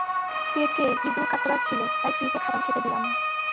পেটে ইঁদুর কাঁতরাচ্ছিল, তাই ফ্রিতে খাবার খেতে গেলাম।